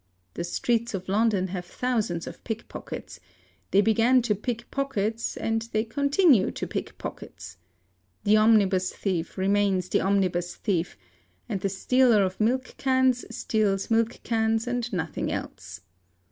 The — "streets of London'' have thousands of pickpockets: they began to pick — pockets, and they continue to pick pockets. The omnibus thief remains the omnibus thief; and the stealer of milk cans steals milk cans and nothing else.